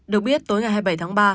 được biết tối ngày hai mươi bảy tháng ba